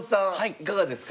いかがですか。